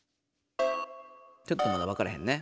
ちょっとまだ分からへんね。